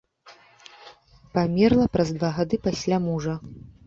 Памерла праз два гады пасля мужа.